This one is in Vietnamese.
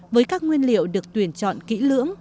với các nguyên liệu được tuyển chọn kỹ lưỡng